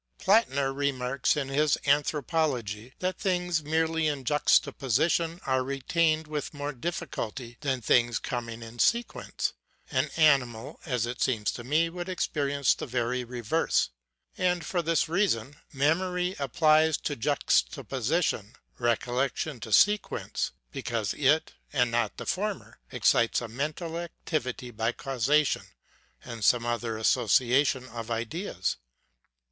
Plattner remarks in his Anthropology, that things merely in juxtaposition are retained with more difficulty than things coming in se quence : an animal, as it seems to me, would experience the very reverse ; and for this reason : memory applies to juxtaposition, recollection to sequence, because it, and not the former, excites to mental activity by causation, or some other association of ideas.